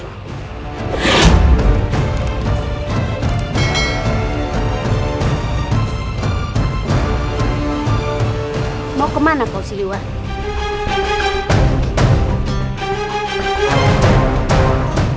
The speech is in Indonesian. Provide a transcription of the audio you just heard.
mau kemana kau si luar